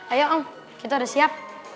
ayo om kita udah siap